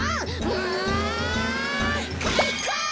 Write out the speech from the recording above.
うんかいか！